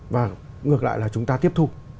và ngược lại là chúng ta tiếp thu